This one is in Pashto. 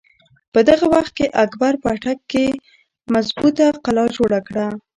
په دغه وخت کښې اکبر په اټک کښې مظبوطه قلا جوړه کړه۔